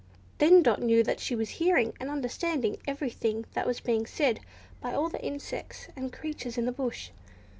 Then Dot knew that she was hearing, and understanding, everything that was being said by all the insects and creatures in the bush.